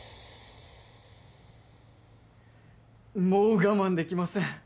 もう我慢できません。